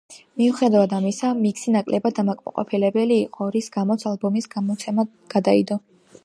მიუხედავად ამისა, მიქსი ნაკლებად დამაკმაყოფილებელი იყო, რის გამოც ალბომის გამოცემა გადაიდო.